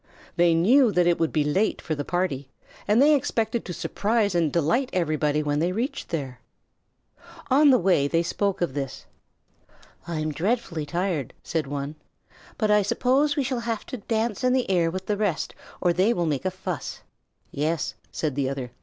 They knew that it would be late for the party, and they expected to surprise and delight everybody when they reached there. On the way they spoke of this. "I'm dreadfully tired," said one, "but I suppose we shall have to dance in the air with the rest or they will make a fuss." "Yes," said the other.